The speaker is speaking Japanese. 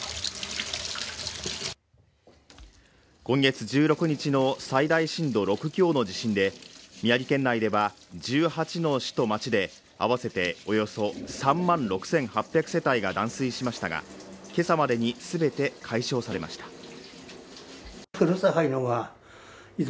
今月１６日の最大震度６強の地震で宮城県内では１８の市と町で合わせておよそ３万６８００世帯が断水しましたが今朝までにすべて解消されました